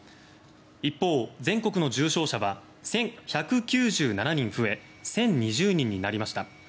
一方、全国の重症者は１１９７人増え１０２０人になりました。